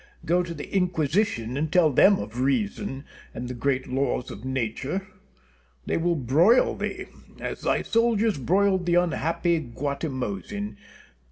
Go to the Inquisition and tell them of reason and the great laws of Nature. They will broil thee, as thy soldiers broiled the unhappy Guatimozin.